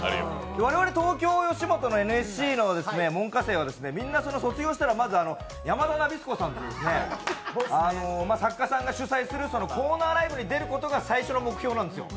我々、東京吉本のＮＳＣの門下生はみんな卒業したら山田ナビスコさんという方のコーナーライブに出ることが最初の目標なんですよ。